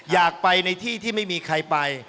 อยากไปในที่ที่ไม่มีใครไป